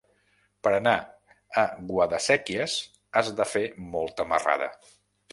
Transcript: Per anar a Guadasséquies has de fer molta marrada.